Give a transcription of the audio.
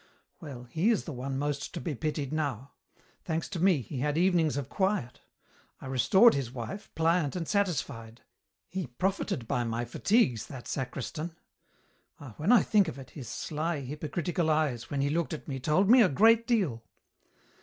Well, he is the one most to be pitied now. Thanks to me, he had evenings of quiet. I restored his wife, pliant and satisfied. He profited by my fatigues, that sacristan. Ah, when I think of it, his sly, hypocritical eyes, when he looked at me, told me a great deal.